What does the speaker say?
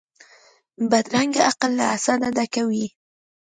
بدرنګه عقل له حسده ډک وي